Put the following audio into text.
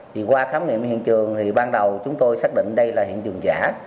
thì qua khám nghiệm hiện trường thì ban đầu chúng tôi xác định đây là hiện trường giả